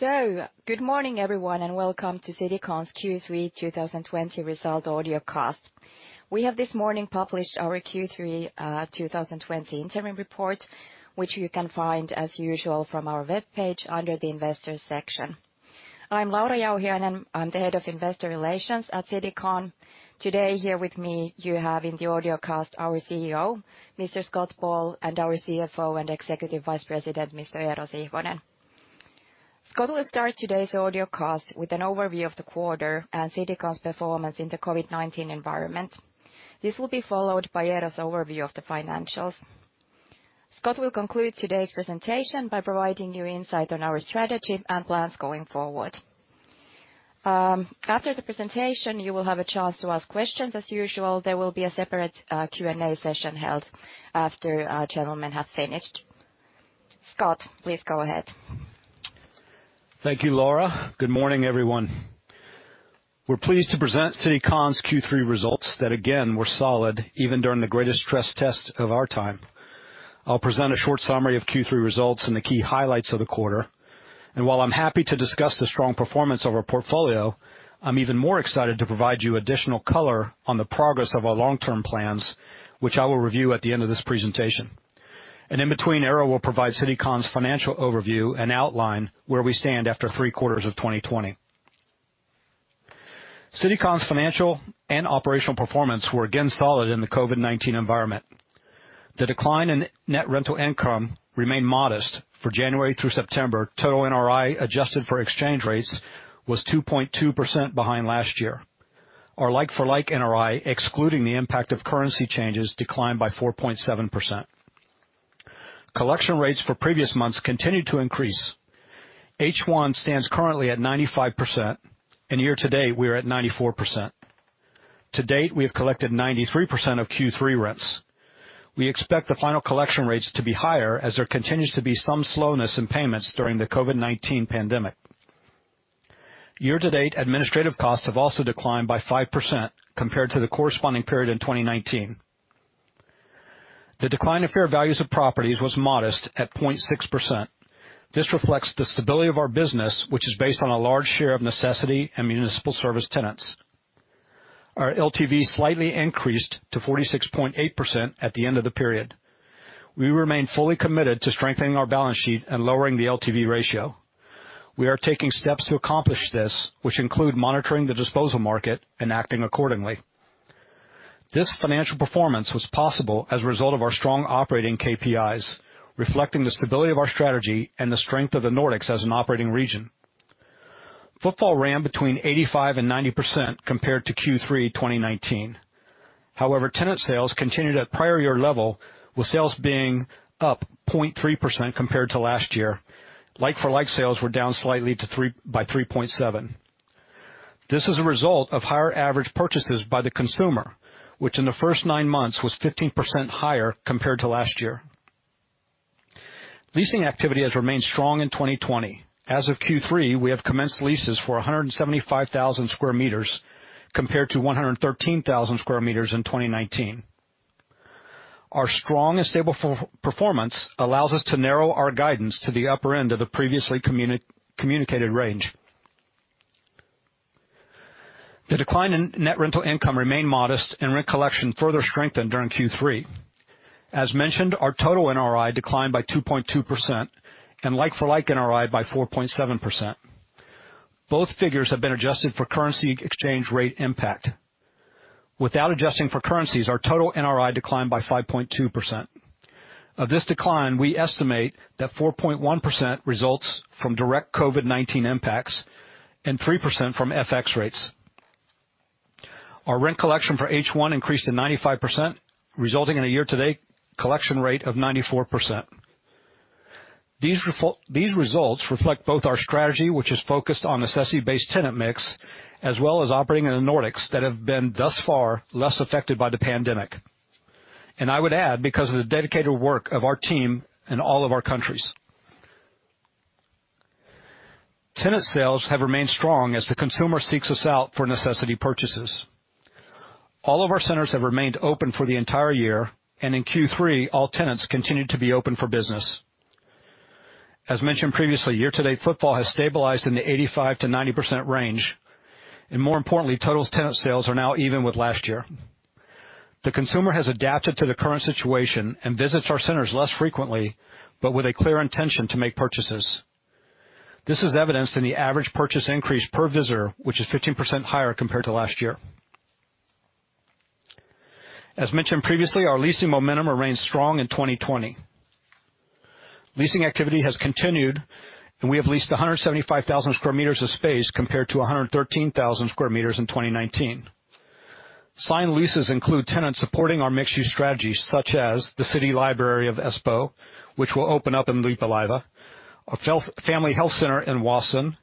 Good morning, everyone, and welcome to Citycon's Q3 2020 results audio cast. We have this morning published our Q3 2020 interim report, which you can find as usual from our webpage under the investors section. I'm Laura Jauhiainen. I'm the Head of Investor Relations at Citycon. Today, here with me, you have in the audio cast our CEO, Mr. Scott Ball, and our CFO and Executive Vice President, Mr. Eero Sihvonen. Scott will start today's audio cast with an overview of the quarter and Citycon's performance in the COVID-19 environment. This will be followed by Eero's overview of the financials. Scott will conclude today's presentation by providing you insight on our strategy and plans going forward. After the presentation, you will have a chance to ask questions. As usual, there will be a separate Q&A session held after our gentlemen have finished. Scott, please go ahead. Thank you, Laura. Good morning, everyone. We're pleased to present Citycon's Q3 results that again, were solid even during the greatest stress test of our time. I'll present a short summary of Q3 results and the key highlights of the quarter. While I'm happy to discuss the strong performance of our portfolio, I'm even more excited to provide you additional color on the progress of our long-term plans, which I will review at the end of this presentation. In between, Eero will provide Citycon's financial overview and outline where we stand after three quarters of 2020. Citycon's financial and operational performance were again solid in the COVID-19 environment. The decline in net rental income remained modest for January through September. Total NRI adjusted for exchange rates was 2.2% behind last year. Our like-for-like NRI, excluding the impact of currency changes, declined by 4.7%. Collection rates for previous months continued to increase. H1 stands currently at 95%, and year to date, we are at 94%. To date, we have collected 93% of Q3 rents. We expect the final collection rates to be higher as there continues to be some slowness in payments during the COVID-19 pandemic. Year to date, administrative costs have also declined by 5% compared to the corresponding period in 2019. The decline in fair values of properties was modest at 0.6%. This reflects the stability of our business, which is based on a large share of necessity and municipal service tenants. Our LTV slightly increased to 46.8% at the end of the period. We remain fully committed to strengthening our balance sheet and lowering the LTV ratio. We are taking steps to accomplish this, which include monitoring the disposal market and acting accordingly. This financial performance was possible as a result of our strong operating KPIs, reflecting the stability of our strategy and the strength of the Nordics as an operating region. Footfall ran between 85% and 90% compared to Q3 2019. However, tenant sales continued at prior year level, with sales being up 0.3% compared to last year. like-for-like sales were down slightly by 3.7%. This is a result of higher average purchases by the consumer, which in the first nine months was 15% higher compared to last year. Leasing activity has remained strong in 2020. As of Q3, we have commenced leases for 175,000 square meters compared to 113,000 square meters in 2019. Our strong and stable performance allows us to narrow our guidance to the upper end of the previously communicated range. The decline in net rental income remained modest, and rent collection further strengthened during Q3. As mentioned, our total NRI declined by 2.2% and like-for-like NRI by 4.7%. Both figures have been adjusted for currency exchange rate impact. Without adjusting for currencies, our total NRI declined by 5.2%. Of this decline, we estimate that 4.1% results from direct COVID-19 impacts and 3% from FX rates. Our rent collection for H1 increased to 95%, resulting in a year-to-date collection rate of 94%. These results reflect both our strategy, which is focused on necessity-based tenant mix, as well as operating in the Nordics that have been thus far less affected by the pandemic. I would add, because of the dedicated work of our team in all of our countries. Tenant sales have remained strong as the consumer seeks us out for necessity purchases. All of our centers have remained open for the entire year, and in Q3, all tenants continued to be open for business. As mentioned previously, year-to-date footfall has stabilized in the 85%-90% range, and more importantly, total tenant sales are now even with last year. The consumer has adapted to the current situation and visits our centers less frequently, but with a clear intention to make purchases. This is evidenced in the average purchase increase per visitor, which is 15% higher compared to last year. As mentioned previously, our leasing momentum remains strong in 2020. Leasing activity has continued, and we have leased 175,000 square meters of space compared to 113,000 square meters in 2019. Signed leases include tenants supporting our mixed-use strategy, such as the Espoo City Library, which will open up in Lippulaiva, a family health center in Vuosaari,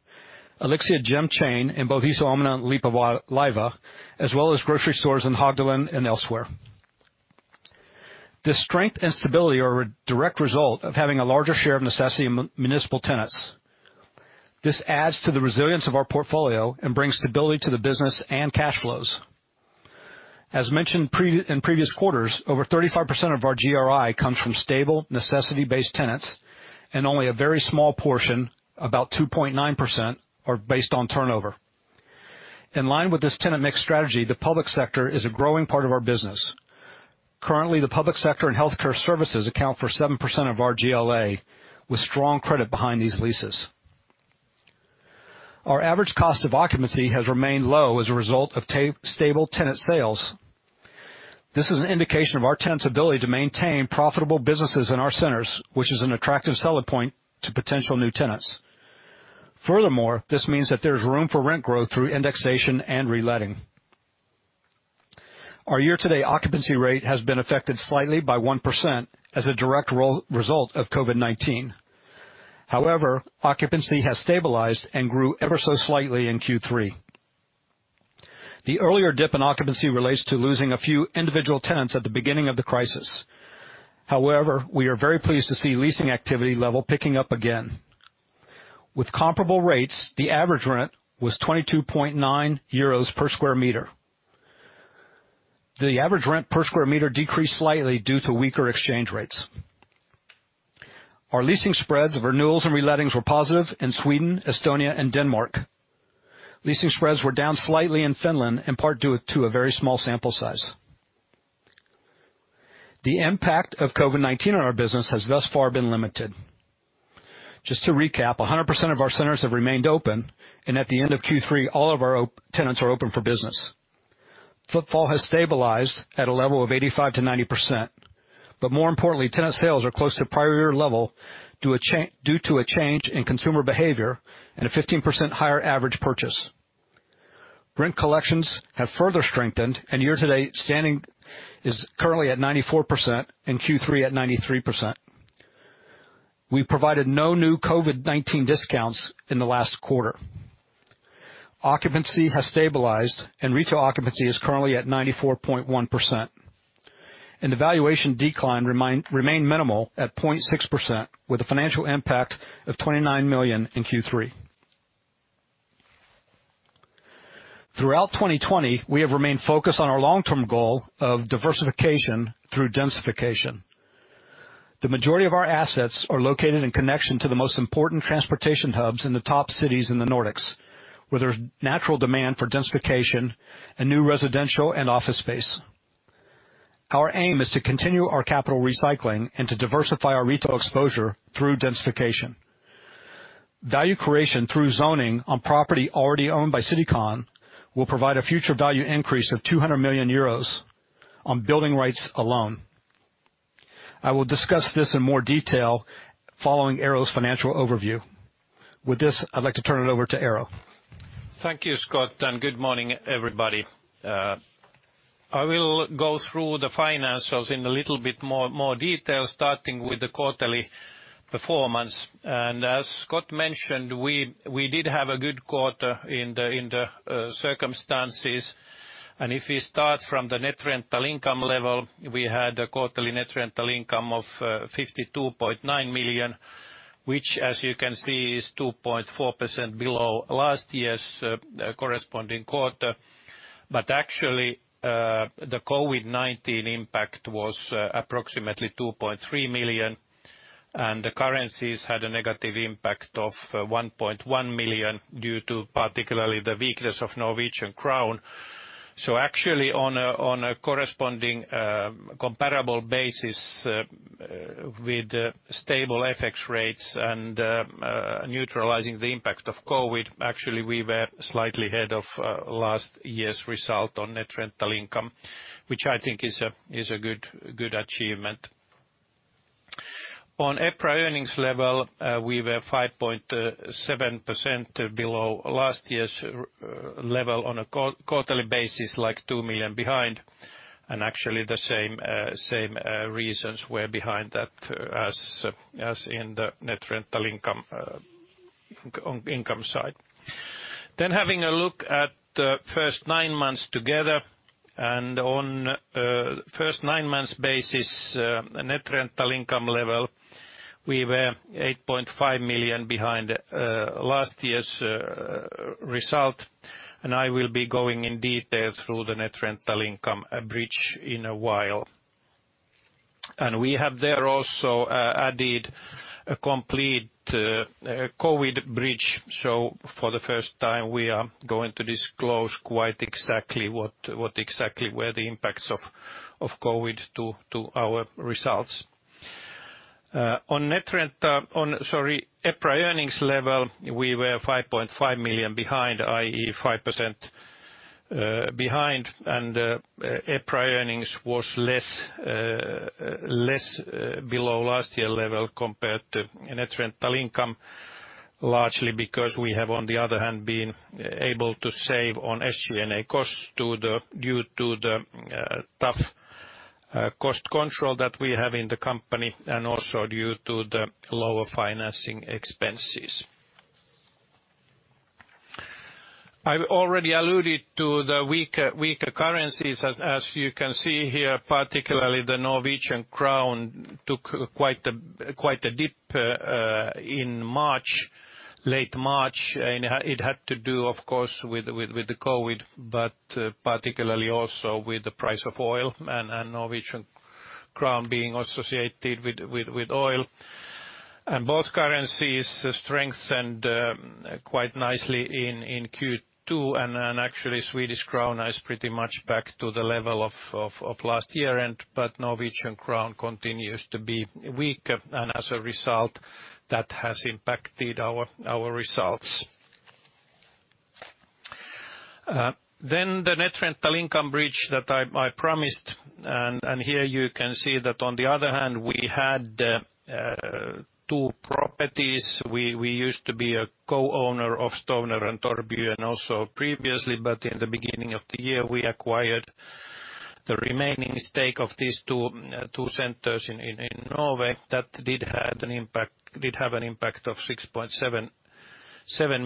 ELIXIA gym chain in both Iso Omena and Lippulaiva, as well as grocery stores in Hagalund and elsewhere. This strength and stability are a direct result of having a larger share of necessity and municipal tenants. This adds to the resilience of our portfolio and brings stability to the business and cash flows. As mentioned in previous quarters, over 35% of our GRI comes from stable necessity-based tenants, and only a very small portion, about 2.9%, are based on turnover. In line with this tenant mix strategy, the public sector is a growing part of our business. Currently, the public sector and healthcare services account for 7% of our GLA, with strong credit behind these leases. Our average cost of occupancy has remained low as a result of stable tenant sales. This is an indication of our tenants' ability to maintain profitable businesses in our centers, which is an attractive selling point to potential new tenants. Furthermore, this means that there's room for rent growth through indexation and reletting. Our year-to-date occupancy rate has been affected slightly by 1% as a direct result of COVID-19. Occupancy has stabilized and grew ever so slightly in Q3. The earlier dip in occupancy relates to losing a few individual tenants at the beginning of the crisis. We are very pleased to see leasing activity level picking up again. With comparable rates, the average rent was 22.9 euros per sq m. The average rent per sq m decreased slightly due to weaker exchange rates. Our leasing spreads of renewals and relettings were positive in Sweden, Estonia, and Denmark. Leasing spreads were down slightly in Finland, in part due to a very small sample size. The impact of COVID-19 on our business has thus far been limited. Just to recap, 100% of our centers have remained open, and at the end of Q3, all of our tenants are open for business. Footfall has stabilized at a level of 85%-90%, but more importantly, tenant sales are close to prior year level due to a change in consumer behavior and a 15% higher average purchase. Rent collections have further strengthened, and year-to-date standing is currently at 94% in Q3 at 93%. We provided no new COVID-19 discounts in the last quarter. Occupancy has stabilized, and retail occupancy is currently at 94.1%. The valuation decline remained minimal at 0.6%, with a financial impact of 29 million in Q3. Throughout 2020, we have remained focused on our long-term goal of diversification through densification. The majority of our assets are located in connection to the most important transportation hubs in the top cities in the Nordics, where there's natural demand for densification and new residential and office space. Our aim is to continue our capital recycling and to diversify our retail exposure through densification. Value creation through zoning on property already owned by Citycon will provide a future value increase of 200 million euros on building rights alone. I will discuss this in more detail following Eero's financial overview. With this, I'd like to turn it over to Eero. Thank you, Scott. Good morning, everybody. I will go through the financials in a little bit more detail, starting with the quarterly performance. As Scott mentioned, we did have a good quarter in the circumstances. If we start from the net rental income level, we had a quarterly net rental income of 52.9 million, which as you can see, is 2.4% below last year's corresponding quarter. Actually, the COVID-19 impact was approximately 2.3 million. The currencies had a negative impact of 1.1 million due to particularly the weakness of Norwegian krone. Actually on a corresponding comparable basis with stable FX rates and neutralizing the impact of COVID-19, actually we were slightly ahead of last year's result on net rental income, which I think is a good achievement. On EPRA earnings level, we were 5.7% below last year's level on a quarterly basis, like 2 million behind. Actually, the same reasons were behind that as in the net rental income side. Having a look at the first nine months together, on a first nine months basis net rental income level, we were 8.5 million behind last year's result. I will be going in detail through the net rental income breach in a while. We have there also added a complete COVID breach. For the first time, we are going to disclose quite exactly what exactly were the impacts of COVID to our results. On EPRA earnings level, we were 5.5 million behind, i.e., 5% behind. EPRA earnings was less below last year level compared to net rental income, largely because we have on the other hand, been able to save on SG&A costs due to the tough cost control that we have in the company and also due to the lower financing expenses. I've already alluded to the weaker currencies. As you can see here, particularly the Norwegian krone took quite a dip in March late March. It had to do, of course, with the COVID-19, particularly also with the price of oil and Norwegian krone being associated with oil. Both currencies strengthened quite nicely in Q2. Then actually, Swedish krona is pretty much back to the level of last year. Norwegian krone continues to be weaker, and as a result, that has impacted our results. The net rental income bridge that I promised. Here you can see that on the other hand, we had two properties. We used to be a co-owner of Stovner and Torvbyen and also previously, but in the beginning of the year, we acquired the remaining stake of these two centers in Norway. That did have an impact of 6.7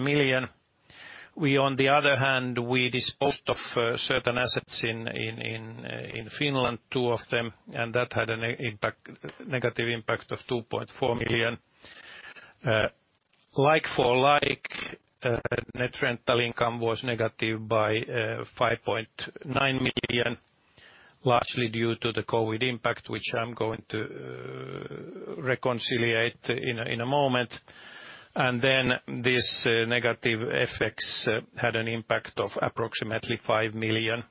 million. On the other hand, we disposed of certain assets in Finland, two of them, and that had a negative impact of 2.4 million. Like-for-like net rental income was negative by 5.9 million, largely due to the COVID-19 impact, which I'm going to reconciliate in a moment. This negative FX had an impact of approximately 5 million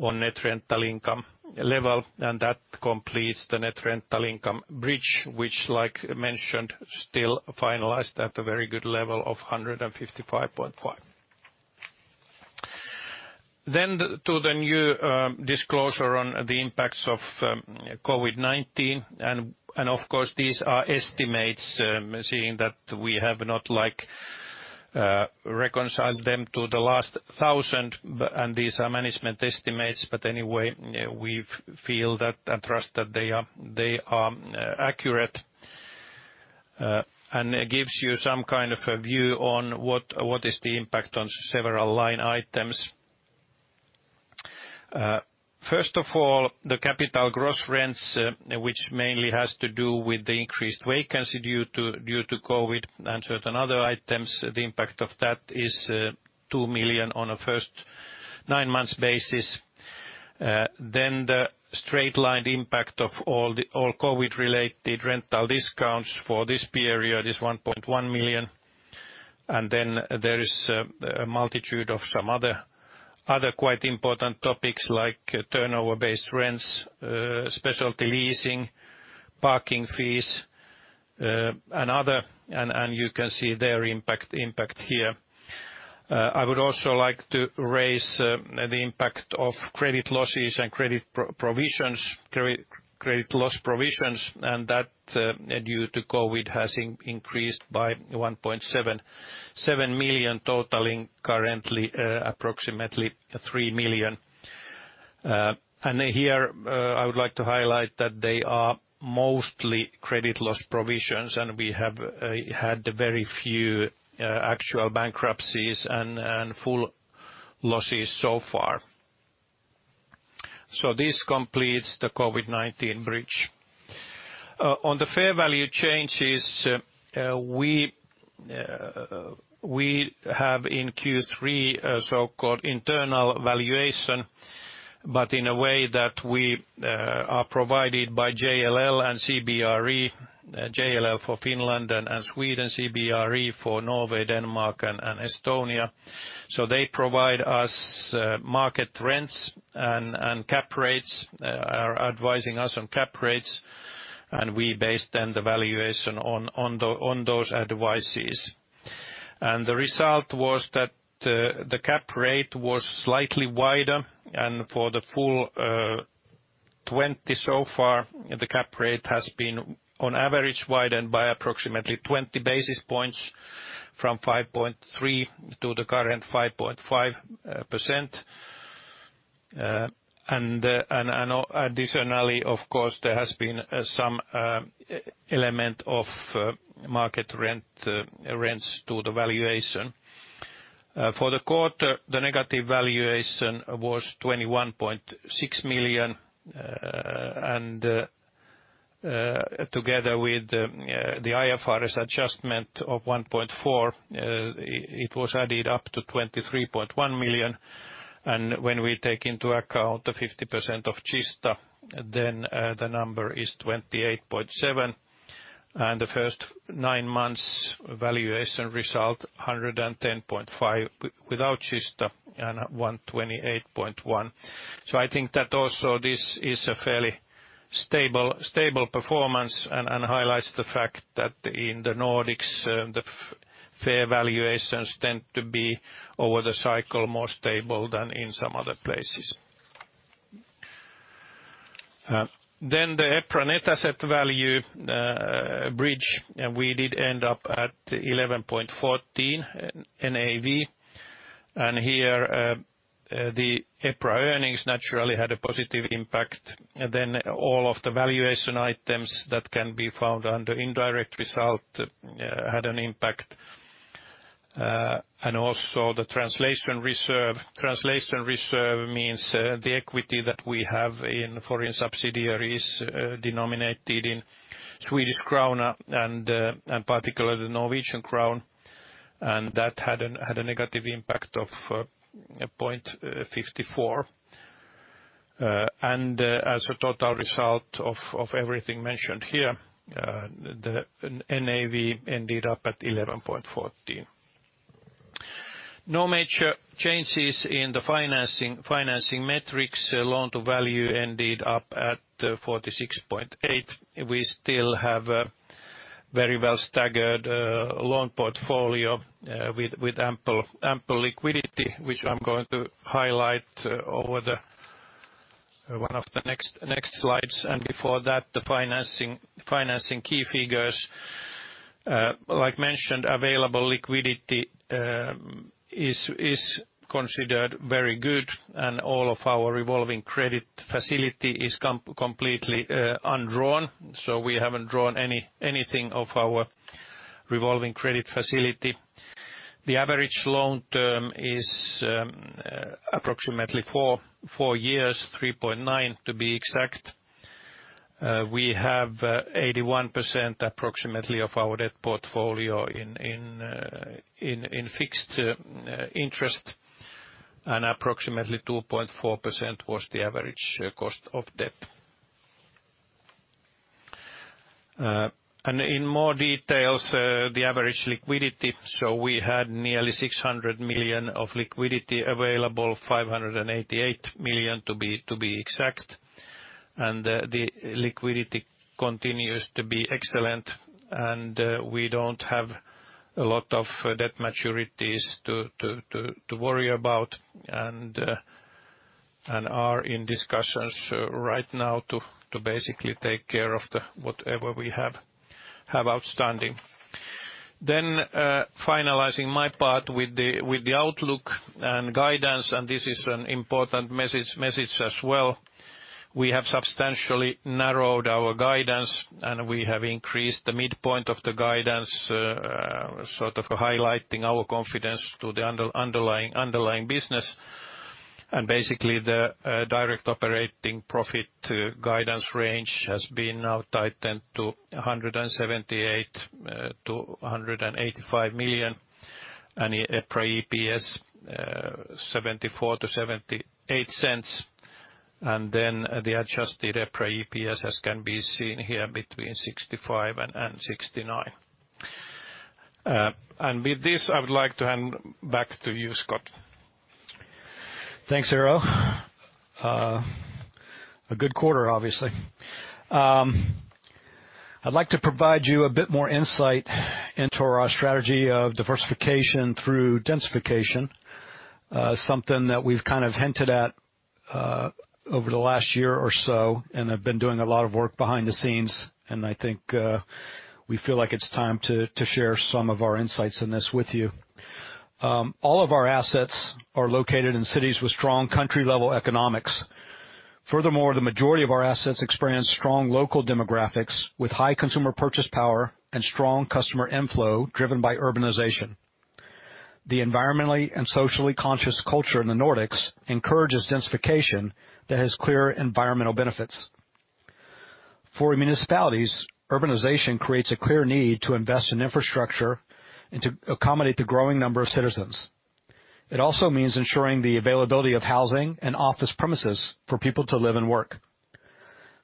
on net rental income level. That completes the net rental income bridge, which, like mentioned, still finalized at a very good level of 155.5. To the new disclosure on the impacts of COVID-19. Of course, these are estimates, seeing that we have not reconciled them to the last 1,000. These are management estimates. Anyway, we feel that and trust that they are accurate, and it gives you some kind of a view on what is the impact on several line items. First of all, the capital gross rents, which mainly has to do with the increased vacancy due to COVID-19 and certain other items. The impact of that is 2 million on a first nine months basis. The straight-line impact of all COVID-19-related rental discounts for this period is 1.1 million. There is a multitude of some other quite important topics like turnover-based rents, specialty leasing, parking fees, and other, and you can see their impact here. I would also like to raise the impact of credit losses and credit loss provisions, and that, due to COVID-19, has increased by 1.7 million, totaling currently approximately 3 million. Here, I would like to highlight that they are mostly credit loss provisions, and we have had very few actual bankruptcies and full losses so far. This completes the COVID-19 bridge. On the fair value changes, we have in Q3 a so-called internal valuation, but in a way that we are provided by JLL and CBRE. JLL for Finland and Sweden, CBRE for Norway, Denmark, and Estonia. They provide us market rents and are advising us on cap rates, and we base then the valuation on those advices. The result was that the cap rate was slightly wider, for the full 2020 so far, the cap rate has been on average widened by approximately 20 basis points from 5.3%-5.5%. Additionally, of course, there has been some element of market rents to the valuation. For the quarter, the negative valuation was 21.6 million, and together with the IFRS adjustment of 1.4 million, it was added up to 23.1 million. When we take into account the 50% of Kista, the number is 28.7 million. The first nine months valuation result, 110.5 million without Kista and 128.1 million. I think that also this is a fairly stable performance and highlights the fact that in the Nordics, the fair valuations tend to be, over the cycle, more stable than in some other places. The EPRA Net Asset Value bridge. We did end up at 11.14 NAV. Here, the EPRA earnings naturally had a positive impact. All of the valuation items that can be found under indirect result had an impact. And also the translation reserve. Translation reserve means the equity that we have in foreign subsidiaries denominated in Swedish krona and particularly the Norwegian krone, and that had a negative impact of 0.54. As a total result of everything mentioned here, the NAV ended up at 11.14. No major changes in the financing metrics. Loan to value ended up at 46.8%. We still have a very well staggered loan portfolio with ample liquidity, which I'm going to highlight over one of the next slides. Before that, the financing key figures. Like mentioned, available liquidity is considered very good, and all of our revolving credit facility is completely undrawn. We haven't drawn anything of our revolving credit facility. The average loan term is approximately four years, 3.9 to be exact. We have 81% approximately of our debt portfolio in fixed interest, and approximately 2.4% was the average cost of debt. In more details, the average liquidity. We had nearly 600 million of liquidity available, 588 million to be exact. The liquidity continues to be excellent, and we don't have a lot of debt maturities to worry about and are in discussions right now to basically take care of whatever we have outstanding. Finalizing my part with the outlook and guidance, this is an important message as well. We have substantially narrowed our guidance, and we have increased the midpoint of the guidance, sort of highlighting our confidence to the underlying business. Basically, the direct operating profit guidance range has been now tightened to 178 million-185 million, and EPRA EPS 0.74-0.78. The adjusted EPRA EPS, as can be seen here, between 0.65 and 0.69. With this, I would like to hand back to you, Scott. Thanks, Eero. A good quarter, obviously. I'd like to provide you a bit more insight into our strategy of diversification through densification. Something that we've kind of hinted at over the last year or so and have been doing a lot of work behind the scenes, and I think we feel like it's time to share some of our insights on this with you. All of our assets are located in cities with strong country-level economics. The majority of our assets experience strong local demographics with high consumer purchase power and strong customer inflow driven by urbanization. The environmentally and socially conscious culture in the Nordics encourages densification that has clear environmental benefits. For municipalities, urbanization creates a clear need to invest in infrastructure and to accommodate the growing number of citizens. It also means ensuring the availability of housing and office premises for people to live and work.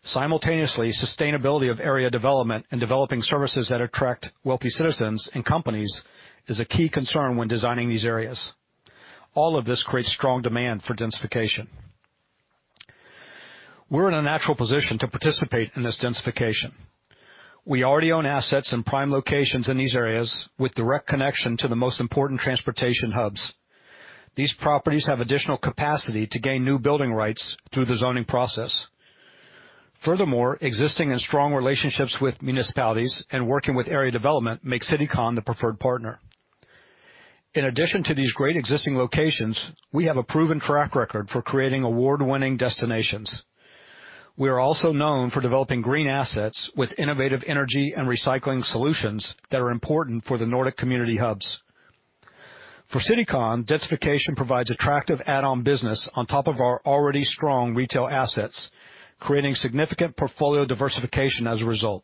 Simultaneously, sustainability of area development and developing services that attract wealthy citizens and companies is a key concern when designing these areas. All of this creates strong demand for densification. We're in a natural position to participate in this densification. We already own assets in prime locations in these areas with direct connection to the most important transportation hubs. These properties have additional capacity to gain new building rights through the zoning process. Furthermore, existing and strong relationships with municipalities and working with area development make Citycon the preferred partner. In addition to these great existing locations, we have a proven track record for creating award-winning destinations. We are also known for developing green assets with innovative energy and recycling solutions that are important for the Nordic community hubs. For Citycon, densification provides attractive add-on business on top of our already strong retail assets, creating significant portfolio diversification as a result.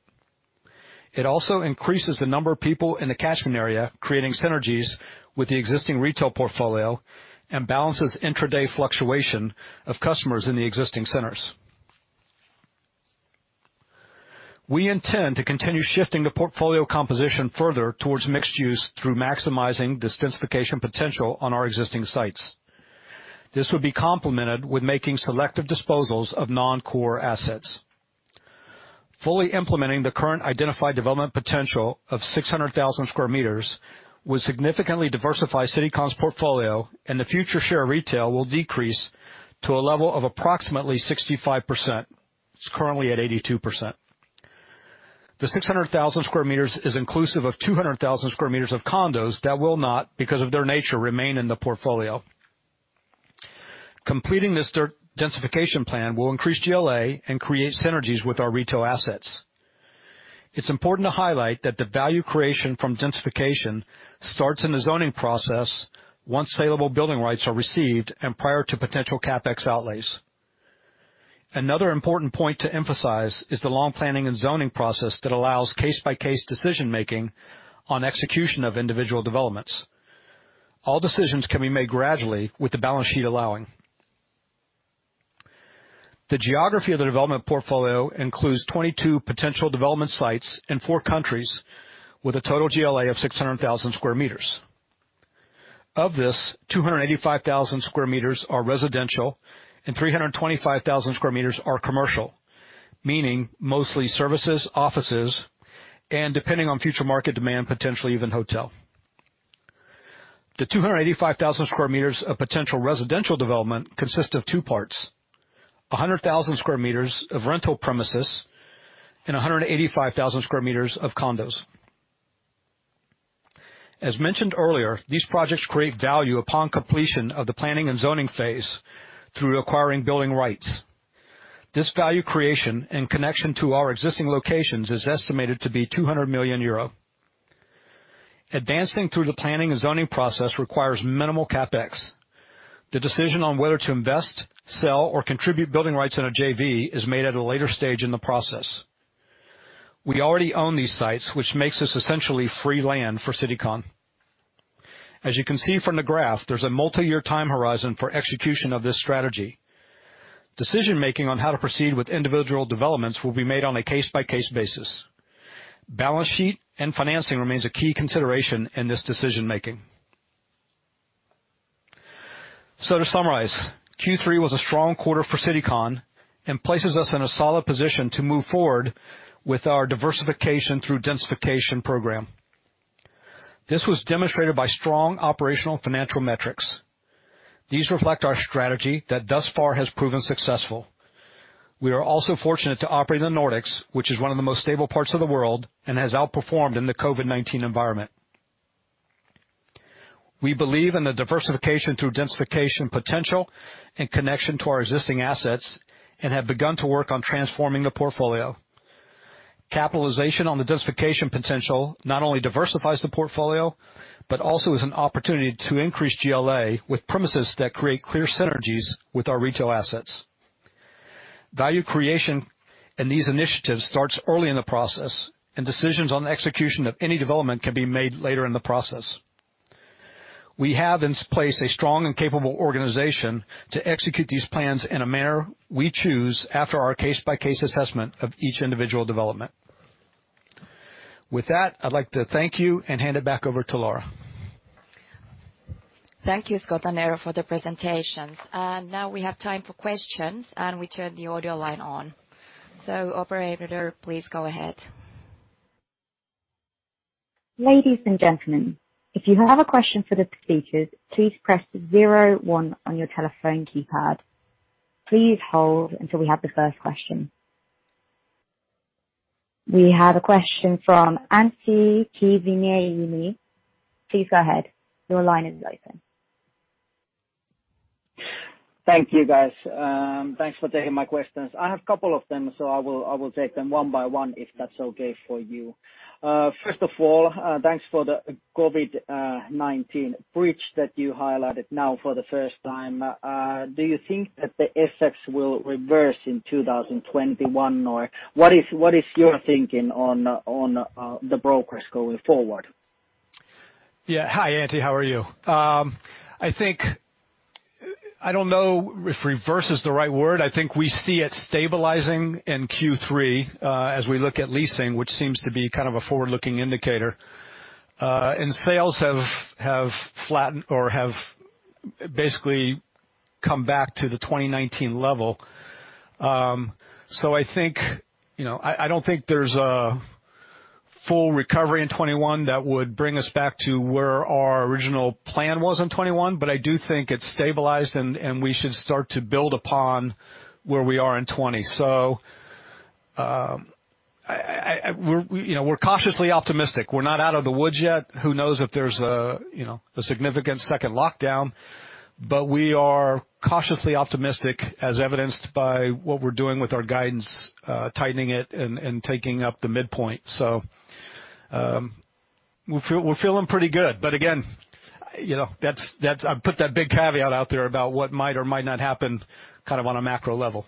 It also increases the number of people in the catchment area, creating synergies with the existing retail portfolio and balances intraday fluctuation of customers in the existing centers. We intend to continue shifting the portfolio composition further towards mixed use through maximizing this densification potential on our existing sites. This would be complemented with making selective disposals of non-core assets. Fully implementing the current identified development potential of 600,000 square meters would significantly diversify Citycon's portfolio, and the future share of retail will decrease to a level of approximately 65%. It's currently at 82%. The 600,000 sq m is inclusive of 200,000 sq m of condos that will not, because of their nature, remain in the portfolio. Completing this densification plan will increase GLA and create synergies with our retail assets. It's important to highlight that the value creation from densification starts in the zoning process once saleable building rights are received and prior to potential CapEx outlays. Another important point to emphasize is the long planning and zoning process that allows case-by-case decision-making on execution of individual developments. All decisions can be made gradually with the balance sheet allowing. The geography of the development portfolio includes 22 potential development sites in four countries with a total GLA of 600,000 sq m. Of this, 285,000 sq m are residential and 325,000 sq m are commercial, meaning mostly services, offices, and depending on future market demand, potentially even hotel. The 285,000 sq m of potential residential development consist of two parts, 100,000 sq m of rental premises and 185,000 sq m of condos. As mentioned earlier, these projects create value upon completion of the planning and zoning phase through acquiring building rights. This value creation in connection to our existing locations is estimated to be 200 million euro. Advancing through the planning and zoning process requires minimal CapEx. The decision on whether to invest, sell, or contribute building rights in a JV is made at a later stage in the process. We already own these sites, which makes this essentially free land for Citycon. As you can see from the graph, there's a multi-year time horizon for execution of this strategy. Decision-making on how to proceed with individual developments will be made on a case-by-case basis. Balance sheet and financing remains a key consideration in this decision-making. To summarize, Q3 was a strong quarter for Citycon and places us in a solid position to move forward with our Diversification Through Densification Program. This was demonstrated by strong operational financial metrics. These reflect our strategy that thus far has proven successful. We are also fortunate to operate in the Nordics, which is one of the most stable parts of the world and has outperformed in the COVID-19 environment. We believe in the diversification through densification potential in connection to our existing assets and have begun to work on transforming the portfolio. Capitalization on the densification potential not only diversifies the portfolio, but also is an opportunity to increase GLA with premises that create clear synergies with our retail assets. Value creation in these initiatives starts early in the process, and decisions on the execution of any development can be made later in the process. We have in place a strong and capable organization to execute these plans in a manner we choose after our case-by-case assessment of each individual development. With that, I'd like to thank you and hand it back over to Laura. Thank you, Scott and Eero, for the presentations. Now we have time for questions, and we turn the audio line on. Operator, please go ahead. Ladies and gentlemen, if you have a question for the speakers, please press 01 on your telephone keypad. Please hold until we have the first question. We have a question from Antti Koskivuori. Please go ahead. Your line is open. Thank you, guys. Thanks for taking my questions. I have couple of them, so I will take them one by one if that's okay for you. First of all, thanks for the COVID-19 bridge that you highlighted now for the first time. Do you think that the effects will reverse in 2021? What is your thinking on the brokers going forward? Yeah. Hi, Antti. How are you? I don't know if reverse is the right word. I think we see it stabilizing in Q3, as we look at leasing, which seems to be a forward-looking indicator. Sales have flattened or have basically come back to the 2019 level. I don't think there's a full recovery in 2021 that would bring us back to where our original plan was in 2021, but I do think it's stabilized, and we should start to build upon where we are in 2020. We're cautiously optimistic. We're not out of the woods yet. Who knows if there's a significant second lockdown. We are cautiously optimistic, as evidenced by what we're doing with our guidance, tightening it and taking up the midpoint. We're feeling pretty good. Again, I put that big caveat out there about what might or might not happen on a macro level.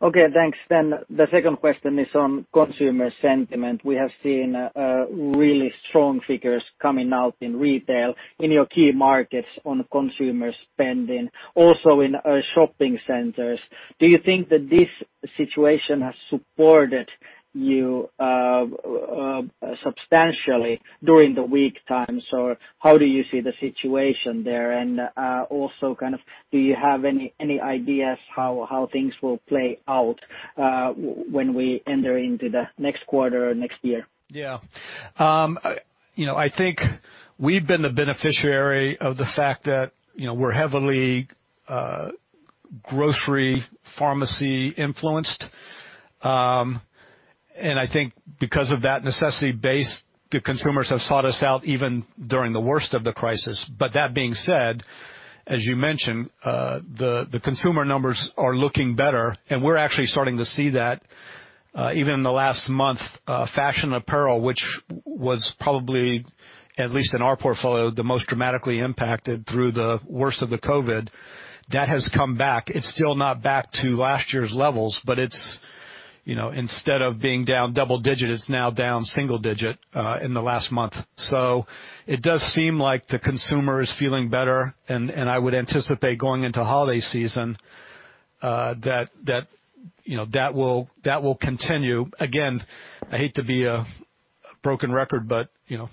Okay, thanks. The second question is on consumer sentiment. We have seen really strong figures coming out in retail in your key markets on consumer spending, also in shopping centers. Do you think that this situation has supported you substantially during the weak times? How do you see the situation there? Also do you have any ideas how things will play out when we enter into the next quarter or next year? Yeah. I think we've been the beneficiary of the fact that we're heavily grocery pharmacy influenced. I think because of that necessity base, the consumers have sought us out even during the worst of the crisis. That being said, as you mentioned, the consumer numbers are looking better. We're actually starting to see that even in the last month, fashion apparel, which was probably, at least in our portfolio, the most dramatically impacted through the worst of the COVID, that has come back. It's still not back to last year's levels, but instead of being down double-digit, it's now down single-digit in the last month. It does seem like the consumer is feeling better, and I would anticipate going into holiday season that will continue. I hate to be a broken record, but I'm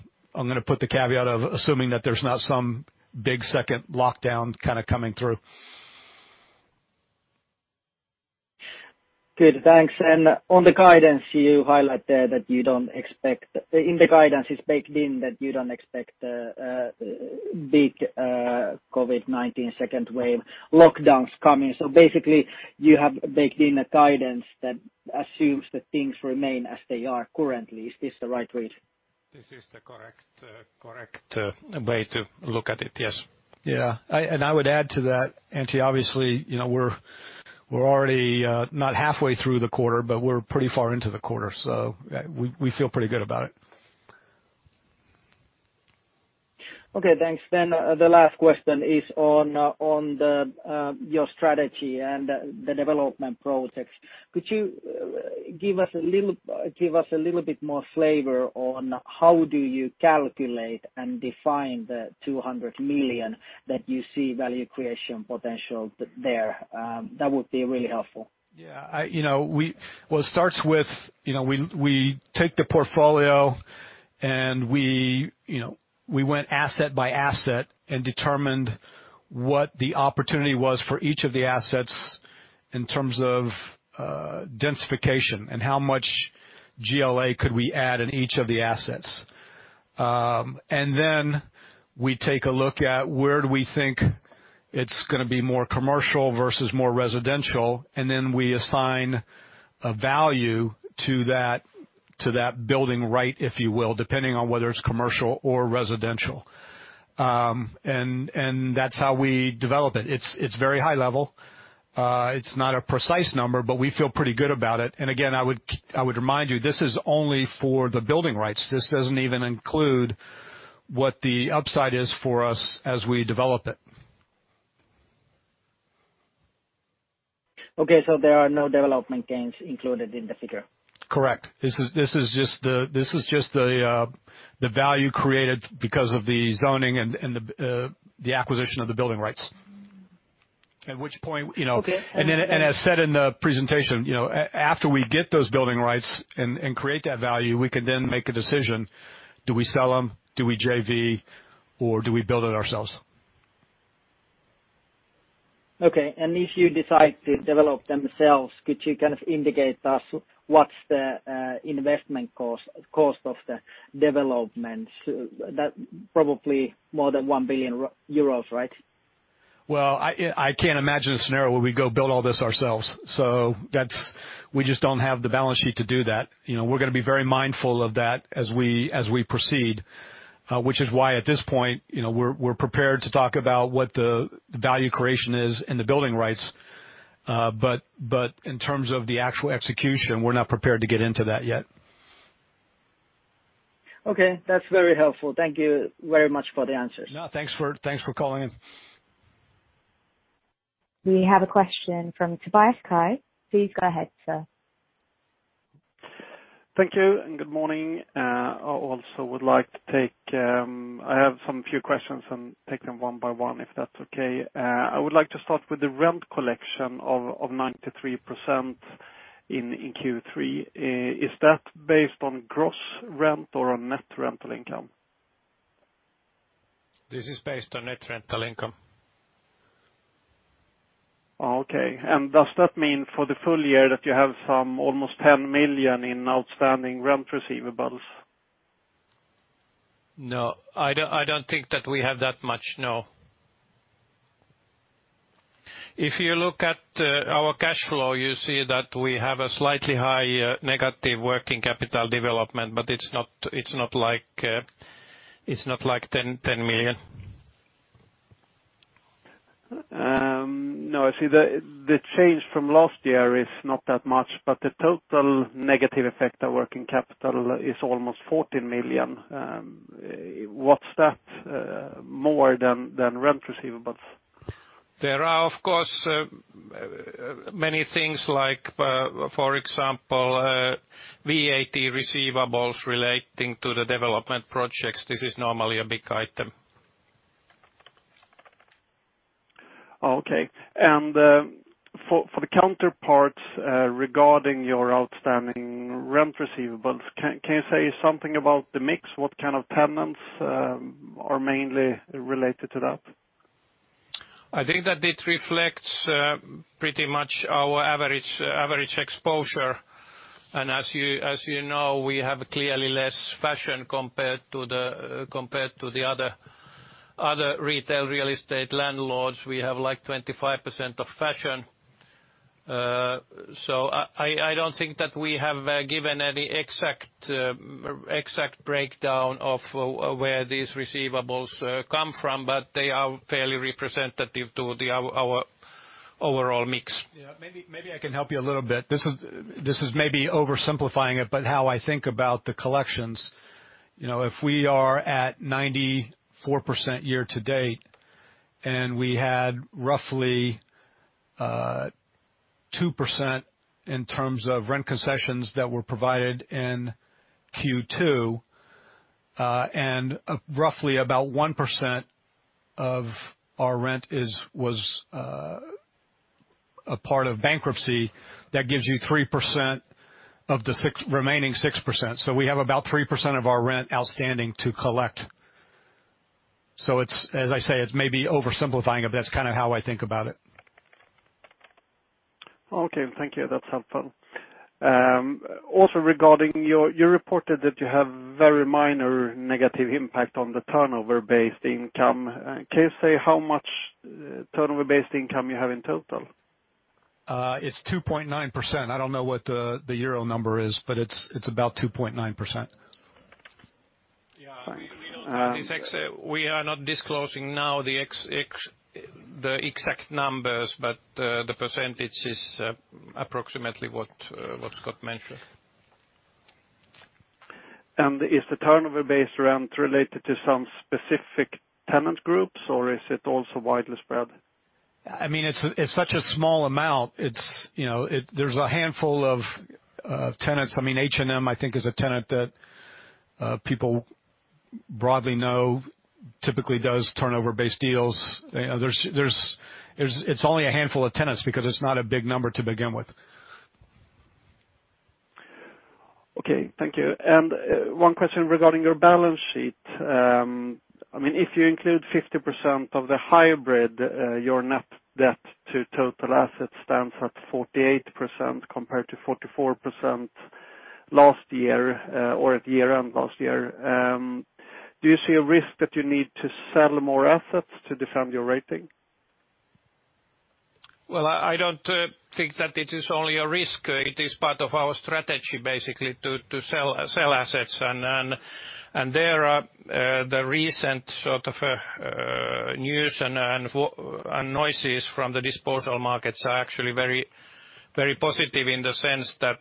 going to put the caveat of assuming that there's not some big second lockdown kind of coming through. Good, thanks. On the guidance you highlight there that in the guidance it's baked in that you don't expect a big COVID-19 second wave lockdowns coming. Basically you have baked in a guidance that assumes that things remain as they are currently. Is this the right way to read? This is the correct way to look at it. Yes. Yeah. I would add to that, Antti, obviously, we're already not halfway through the quarter, but we're pretty far into the quarter, so we feel pretty good about it. Okay, thanks. The last question is on your strategy and the development projects. Could you give us a little bit more flavor on how do you calculate and define the 200 million that you see value creation potential there? That would be really helpful. Yeah. Well, it starts with we take the portfolio and we went asset by asset and determined what the opportunity was for each of the assets in terms of densification and how much GLA could we add in each of the assets. Then we take a look at where do we think it's going to be more commercial versus more residential, and then we assign a value to that building right, if you will, depending on whether it's commercial or residential. That's how we develop it. It's very high level. It's not a precise number, but we feel pretty good about it. Again, I would remind you, this is only for the building rights. This doesn't even include what the upside is for us as we develop it. Okay, there are no development gains included in the figure. Correct. This is just the value created because of the zoning and the acquisition of the building rights. Okay As said in the presentation, after we get those building rights and create that value, we can then make a decision. Do we sell them? Do we JV or do we build it ourselves? Okay. If you decide to develop themselves, could you kind of indicate to us what's the investment cost of the development? That probably more than 1 billion euros, right? I can't imagine a scenario where we go build all this ourselves. We just don't have the balance sheet to do that. We're going to be very mindful of that as we proceed. This is why at this point, we're prepared to talk about what the value creation is in the building rights. In terms of the actual execution, we're not prepared to get into that yet. Okay. That's very helpful. Thank you very much for the answers. No, thanks for calling in. We have a question from Tobias Kai. Please go ahead, sir. Thank you, good morning. I also have some few questions and take them one by one if that's okay. I would like to start with the rent collection of 93% in Q3. Is that based on gross rent or on net rental income? This is based on net rental income. Okay. Does that mean for the full year that you have some almost 10 million in outstanding rent receivables? No, I don't think that we have that much, no. If you look at our cash flow, you see that we have a slightly high negative working capital development, but it's not like 10 million. No, I see the change from last year is not that much, but the total negative effect of working capital is almost 14 million. What's that more than rent receivables? There are, of course, many things like, for example, VAT receivables relating to the development projects. This is normally a big item. Okay. For the counterparts, regarding your outstanding rent receivables, can you say something about the mix? What kind of tenants are mainly related to that? I think that it reflects pretty much our average exposure. As you know, we have clearly less fashion compared to the other retail real estate landlords. We have 25% of fashion. I don't think that we have given any exact breakdown of where these receivables come from, but they are fairly representative to our overall mix. Yeah, maybe I can help you a little bit. This is maybe oversimplifying it, but how I think about the collections. If we are at 94% year to date, and we had roughly 2% in terms of rent concessions that were provided in Q2, and roughly about 1% of our rent was a part of bankruptcy, that gives you 3% of the remaining 6%. We have about 3% of our rent outstanding to collect. As I say, it's maybe oversimplifying it. That's kind of how I think about it. Okay. Thank you. That's helpful. Also regarding, you reported that you have very minor negative impact on the turnover-based income. Can you say how much turnover-based income you have in total? It's 2.9%. I don't know what the euro number is, but it's about 2.9%. Yeah. We are not disclosing now the exact numbers, but the percentage is approximately what Scott mentioned. Is the turnover-based rent related to some specific tenant groups, or is it also widely spread? It's such a small amount. There's a handful of tenants. H&M, I think, is a tenant that people broadly know typically does turnover-based deals. It's only a handful of tenants because it's not a big number to begin with. Okay, thank you. One question regarding your balance sheet. If you include 50% of the hybrid, your net debt to total assets stands at 48% compared to 44% last year or at year-end last year. Do you see a risk that you need to sell more assets to defend your rating? Well, I don't think that it is only a risk. It is part of our strategy, basically, to sell assets. There, the recent news and noises from the disposal markets are actually very positive in the sense that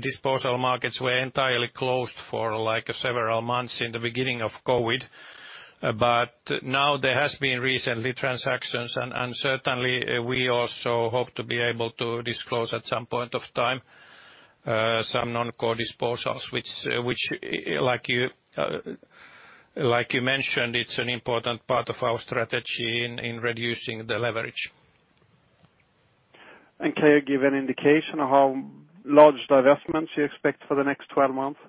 disposal markets were entirely closed for several months in the beginning of COVID. Now there has been recently transactions, and certainly we also hope to be able to disclose at some point of time some non-core disposals, which, like you mentioned, it's an important part of our strategy in reducing the leverage. Can you give an indication of how large the divestments you expect for the next 12 months?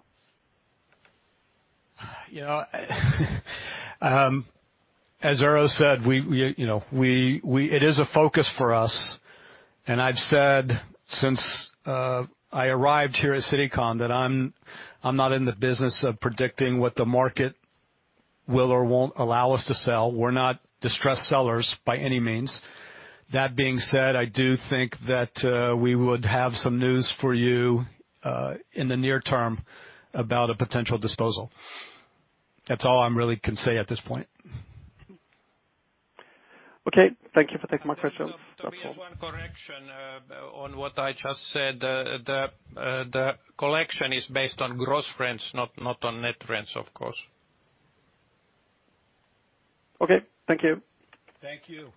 As Eero said, it is a focus for us. I've said since I arrived here at Citycon that I'm not in the business of predicting what the market will or won't allow us to sell. We're not distressed sellers by any means. That being said, I do think that we would have some news for you in the near term about a potential disposal. That's all I really can say at this point. Okay. Thank you for taking my question. There'll be one correction on what I just said. The collection is based on gross rents, not on net rents, of course. Okay. Thank you. Thank you.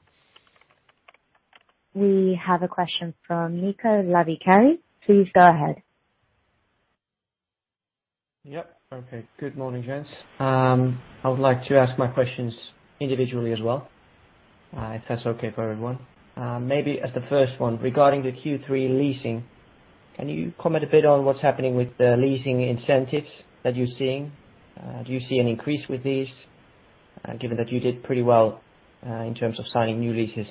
We have a question from Nico Lavikari. Please go ahead. Yep. Okay. Good morning, gents. I would like to ask my questions individually as well. If that's okay for everyone. Maybe as the first one, regarding the Q3 leasing, can you comment a bit on what's happening with the leasing incentives that you're seeing? Do you see an increase with these, given that you did pretty well in terms of signing new leases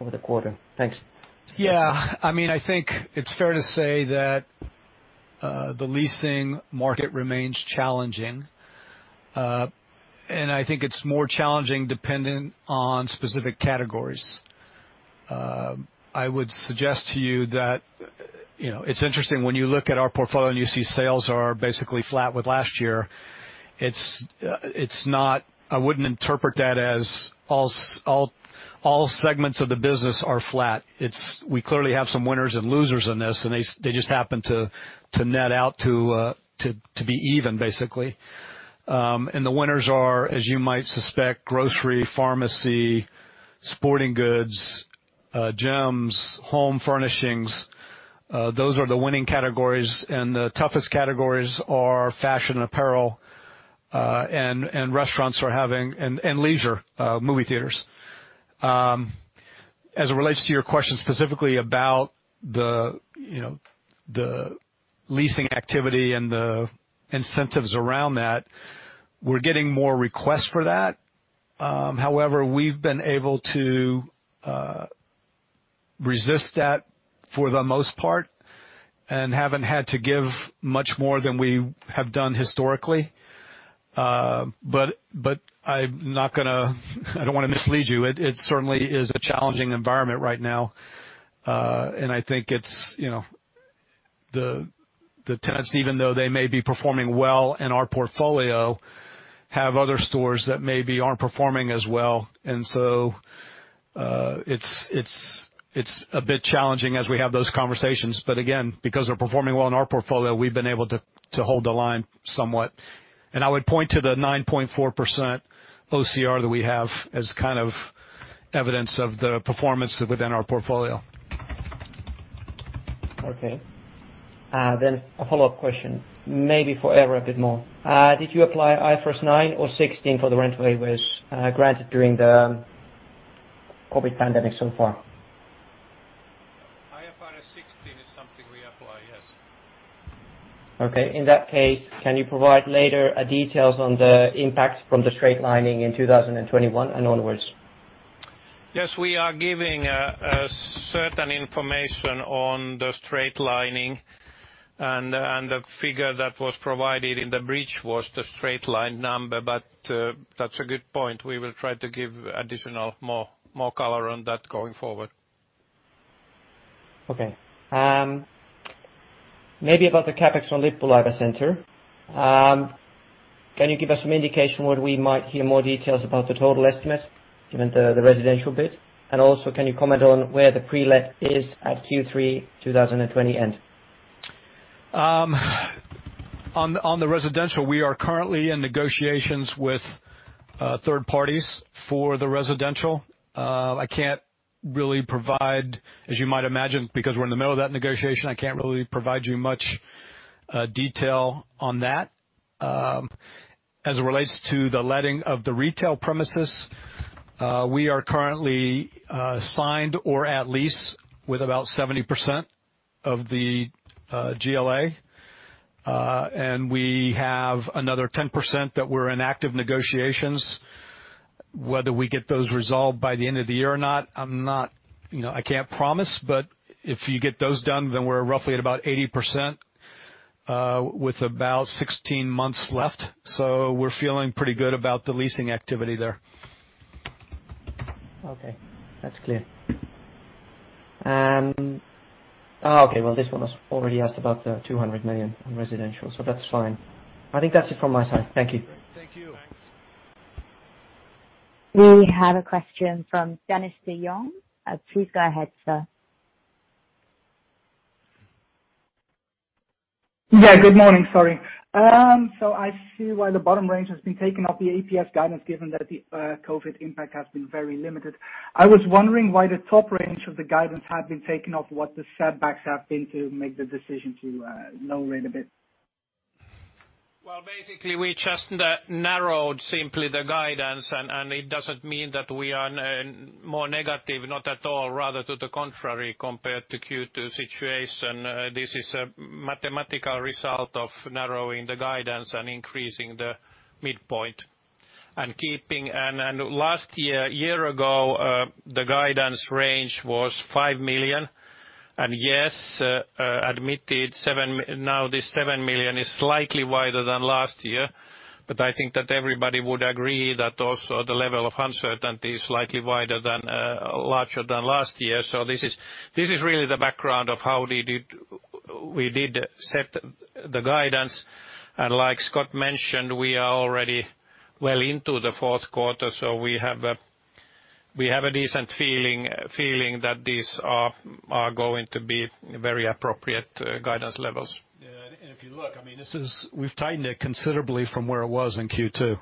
over the quarter? Thanks. Yeah. I think it's fair to say that the leasing market remains challenging. I think it's more challenging dependent on specific categories. I would suggest to you that it's interesting when you look at our portfolio and you see sales are basically flat with last year. I wouldn't interpret that as all segments of the business are flat. We clearly have some winners and losers in this, and they just happen to net out to be even, basically. The winners are, as you might suspect, grocery, pharmacy, sporting goods, gyms, home furnishings. Those are the winning categories. The toughest categories are fashion apparel, and restaurants are having, and leisure, movie theaters. As it relates to your question specifically about the leasing activity and the incentives around that, we're getting more requests for that. We've been able to resist that for the most part, and haven't had to give much more than we have done historically. I don't want to mislead you. It certainly is a challenging environment right now. I think the tenants, even though they may be performing well in our portfolio, have other stores that maybe aren't performing as well. It's a bit challenging as we have those conversations. Again, because they're performing well in our portfolio, we've been able to hold the line somewhat. I would point to the 9.4% OCR that we have as kind of evidence of the performance within our portfolio. Okay. A follow-up question, maybe for Eero, a bit more. Did you apply IFRS 9 or 16 for the rent waivers granted during the COVID pandemic so far? IFRS 16 is something we apply, yes. Okay. In that case, can you provide later details on the impact from the straight lining in 2021 and onwards? Yes, we are giving a certain information on the straight lining. The figure that was provided in the bridge was the straight line number. That's a good point. We will try to give additional, more color on that going forward. Okay. Maybe about the CapEx on Lippulaiva Center. Can you give us some indication when we might hear more details about the total estimate, given the residential bit? Can you comment on where the pre-let is at Q3 2020 end? On the residential, we are currently in negotiations with third parties for the residential. As you might imagine, because we're in the middle of that negotiation, I can't really provide you much detail on that. As it relates to the letting of the retail premises, we are currently signed or at lease with about 70% of the GLA. We have another 10% that we're in active negotiations. Whether we get those resolved by the end of the year or not, I can't promise, if you get those done, we're roughly at about 80% with about 16 months left. We're feeling pretty good about the leasing activity there. Okay. That's clear. Well, this one was already asked about the 200 million in residential, so that's fine. I think that's it from my side. Thank you. Thank you. Thanks. We have a question from Dennis de Jong. Please go ahead, sir. Yeah, good morning. Sorry. I see why the bottom range has been taken off the EPS guidance, given that the COVID impact has been very limited. I was wondering why the top range of the guidance had been taken off, what the setbacks have been to make the decision to lower it a bit. Well, basically, we just narrowed simply the guidance. It doesn't mean that we are more negative. Not at all, rather to the contrary, compared to Q2 situation. This is a mathematical result of narrowing the guidance and increasing the midpoint. A year ago, the guidance range was 5 million. Yes, admitted, now this 7 million is slightly wider than last year. I think that everybody would agree that also the level of uncertainty is slightly larger than last year. This is really the background of how we did set the guidance. Like Scott mentioned, we are already well into the fourth quarter, so we have a decent feeling that these are going to be very appropriate guidance levels. Yeah. If you look, we've tightened it considerably from where it was in Q2.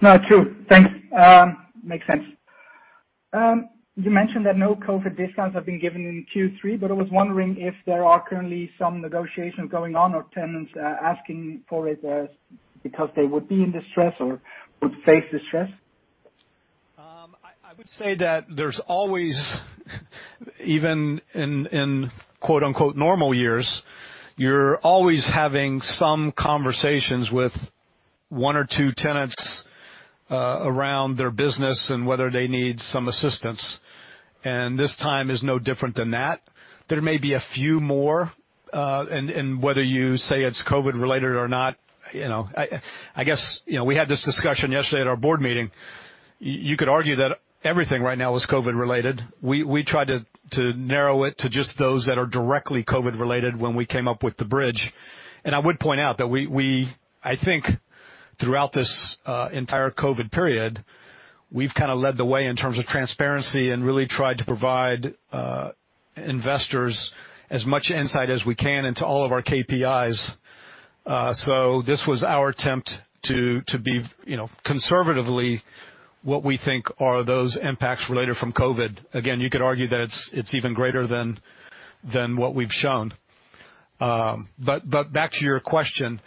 No, true. Thanks. Makes sense. You mentioned that no COVID discounts have been given in Q3, I was wondering if there are currently some negotiations going on or tenants asking for it because they would be in distress or would face distress? I would say that there's always even in quote, unquote, "normal years," you're always having some conversations with one or two tenants around their business and whether they need some assistance. This time is no different than that. There may be a few more, and whether you say it's COVID related or not. I guess we had this discussion yesterday at our board meeting. You could argue that everything right now is COVID related. We tried to narrow it to just those that are directly COVID related when we came up with the bridge. I would point out that we, I think, throughout this entire COVID period, we've kind of led the way in terms of transparency and really tried to provide investors as much insight as we can into all of our KPIs. This was our attempt to be conservatively what we think are those impacts related from COVID. You could argue that it's even greater than what we've shown. Back to your question.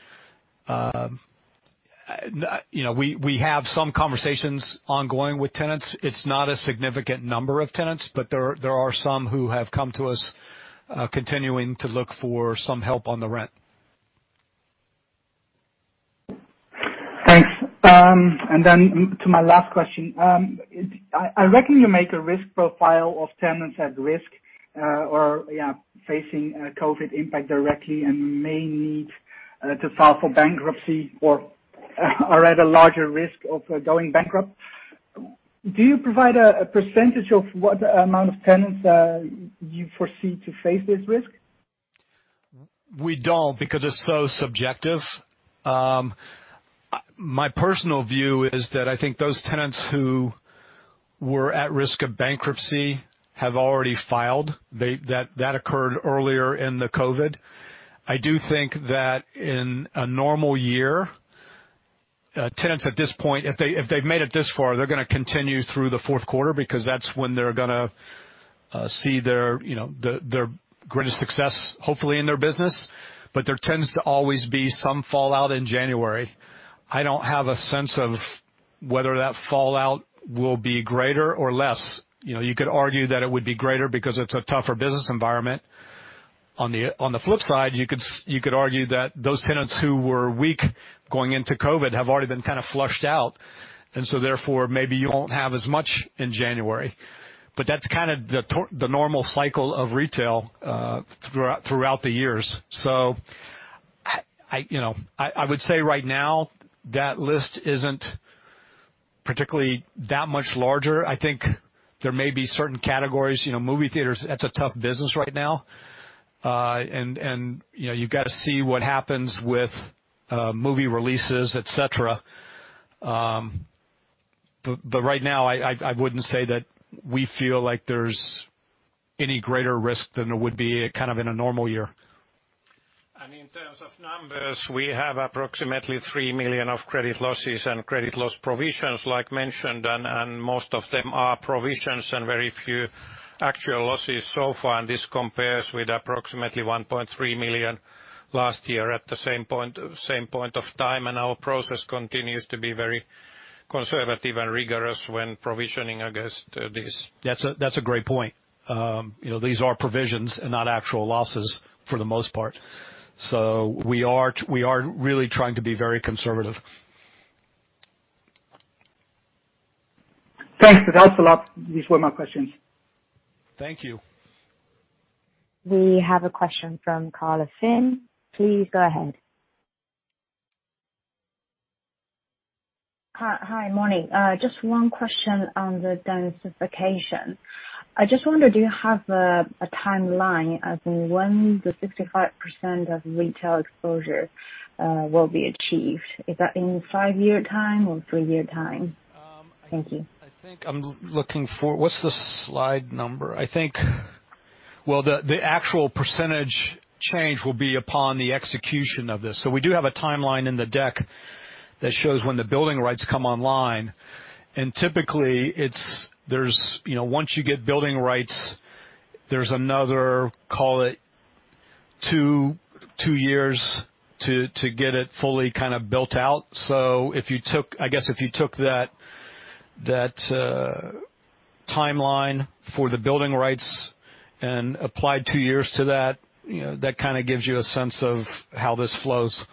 We have some conversations ongoing with tenants. It's not a significant number of tenants, but there are some who have come to us, continuing to look for some help on the rent. Thanks. To my last question. I reckon you make a risk profile of tenants at risk or facing COVID impact directly and may need to file for bankruptcy or are at a larger risk of going bankrupt. Do you provide a % of what amount of tenants you foresee to face this risk? We don't because it's so subjective. My personal view is that I think those tenants who were at risk of bankruptcy have already filed. That occurred earlier in the COVID-19. I do think that in a normal year, tenants at this point, if they've made it this far, they're going to continue through the fourth quarter because that's when they're going to see their greatest success, hopefully, in their business. There tends to always be some fallout in January. I don't have a sense of whether that fallout will be greater or less. You could argue that it would be greater because it's a tougher business environment. On the flip side, you could argue that those tenants who were weak going into COVID-19 have already been flushed out. Therefore, maybe you won't have as much in January. That's the normal cycle of retail throughout the years. I would say right now, that list isn't particularly that much larger. I think there may be certain categories. Movie theaters, that's a tough business right now. You've got to see what happens with movie releases, et cetera. Right now, I wouldn't say that we feel like there's any greater risk than there would be in a normal year. In terms of numbers, we have approximately 3 million of credit losses and credit loss provisions, like mentioned, and most of them are provisions and very few actual losses so far. This compares with approximately 1.3 million last year at the same point of time. Our process continues to be very conservative and rigorous when provisioning against this. That's a great point. These are provisions and not actual losses for the most part. We are really trying to be very conservative. Thanks. That helps a lot. These were my questions. Thank you. We have a question from Carla Finn. Please go ahead. Hi. Morning. Just one question on the densification. I just wonder, do you have a timeline as in when the 65% of retail exposure will be achieved? Is that in five-year time or three-year time? Thank you. I think I'm looking for What's the slide number? The actual percentage change will be upon the execution of this. We do have a timeline in the deck that shows when the building rights come online, and typically, once you get building rights, there's another, call it, two years to get it fully built out. I guess if you took that timeline for the building rights and applied two years to that gives you a sense of how this flows.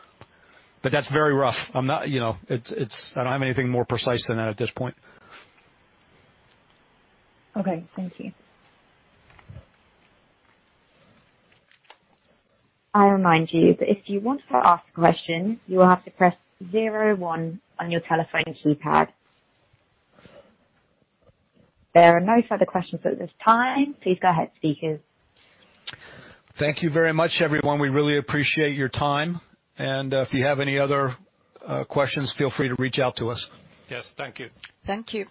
That's very rough. I don't have anything more precise than that at this point. Okay. Thank you. I remind you that if you want to ask a question, you will have to press zero one on your telephone keypad. There are no further questions at this time. Please go ahead, speakers. Thank you very much, everyone. We really appreciate your time. If you have any other questions, feel free to reach out to us. Yes. Thank you. Thank you.